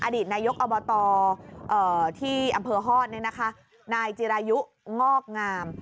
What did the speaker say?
อดีตนายกอบตที่อำเภอฮอตนายจิรายุงอกงาม